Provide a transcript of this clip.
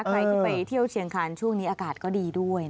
ใครที่ไปเที่ยวเชียงคานช่วงนี้อากาศก็ดีด้วย